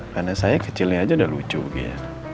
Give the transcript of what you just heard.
karena saya kecilnya aja udah lucu gitu ya